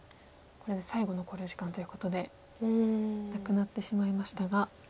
これで最後の考慮時間ということでなくなってしまいましたが。